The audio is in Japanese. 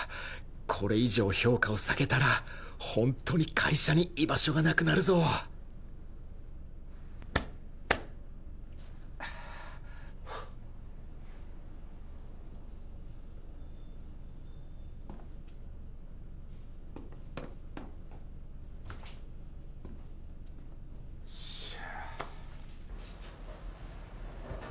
これ以上評価を下げたらほんとに会社に居場所がなくなるぞよっしゃ。